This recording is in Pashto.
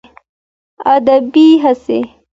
ادبي هڅې